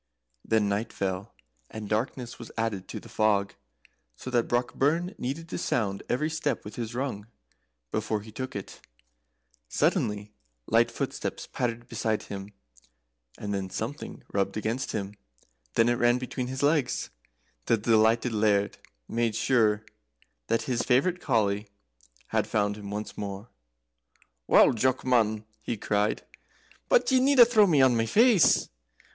Then night fell, and darkness was added to the fog, so that Brockburn needed to sound every step with his rung before he took it. [Footnote 3: Rung = a thick stick.] Suddenly light footsteps pattered beside him, then Something rubbed against him, then It ran between his legs. The delighted Laird made sure that his favourite collie had found him once more. "Wow, Jock, man!" he cried; "but ye needna throw me on my face.